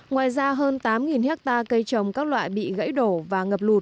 ngoài ra hơn tám hectare cây trồng các loại bị gãy đổ và ngập lụt